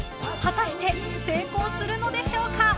果たして成功するのでしょうか。